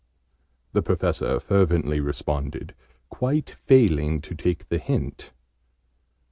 the Professor fervently responded, quite failing to take the hint.